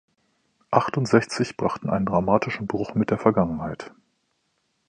Achtundsechzig brachten einen dramatischen Bruch mit der Vergangenheit.